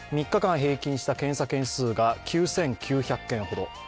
３日間平均した検査件数が９９００件ほど。